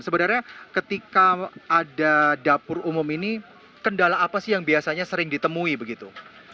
sebenarnya ketika ada dapur umum ini kendala apa sih yang biasanya sering ditemui begitu